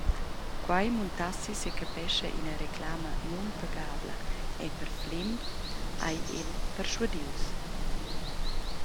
Quei muntassi secapescha ina reclama nunpagabla era per Flem, ei el perschuadius.